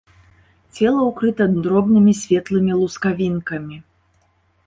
Цела ўкрыта дробнымі светлымі лускавінкамі.